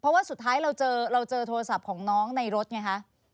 เพราะว่าสุดท้ายเราเจอเราเจอโทรศัพท์ของน้องในรถไงคะ